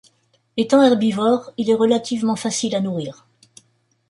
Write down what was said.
Étant herbivore, il est relativement facile à nourrir.